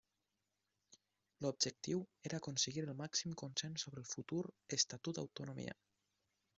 L'objectiu era aconseguir el màxim consens sobre el futur Estatut d'autonomia.